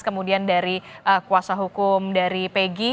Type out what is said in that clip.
kemudian dari kuasa hukum dari pegi